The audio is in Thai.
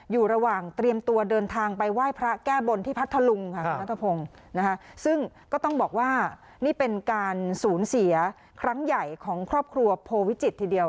อยู่ระหว่างเตรียมตัวเดินทางไปไหว้พระแก้บนที่พัทธลุงค่ะคุณนัทพงศ์นะคะซึ่งก็ต้องบอกว่านี่เป็นการสูญเสียครั้งใหญ่ของครอบครัวโพวิจิตทีเดียว